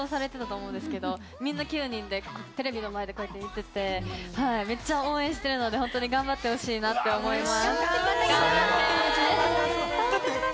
それこそきのう『ＤａｙＤａｙ．』で放送されてたと思うんですけれども、みんな９人でテレビの前でこうやって見てて、めっちゃ応援してるので、本当に頑張ってほしいなと思います。